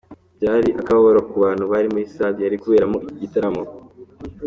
Byari akababaro ku bantu bari muri salle yari kuberamo iki gitaramo.